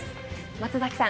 松崎さん